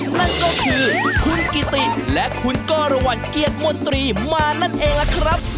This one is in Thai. นั่นก็คือคุณกิติและคุณกรวรรณเกียรติมนตรีมานั่นเองล่ะครับ